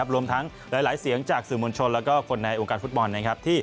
รวมทั้งหลายเสียงจากสื่อมวลชนและคนในวงการฟุตบอลนะครับ